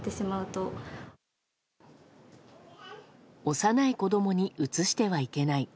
幼い子供にうつしてはいけない。